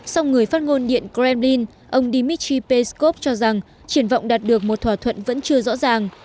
sau người phát ngôn điện kremlin ông dmitry peskov cho rằng triển vọng đạt được một thỏa thuận vẫn chưa rõ ràng